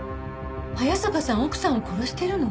早坂さん奥さんを殺してるの？